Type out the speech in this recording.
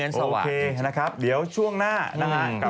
โอเคนะครับเดี๋ยวช่วงหน้านะฮะ